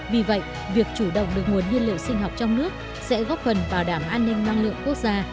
vì vậy việc chủ động được nguồn nhiên liệu sinh học trong nước sẽ góp phần bảo đảm an ninh năng lượng quốc gia